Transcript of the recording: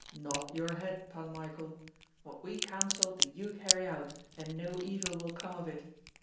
"Not your head, Pan Michael. What we counsel do you carry out, and no evil will come of it.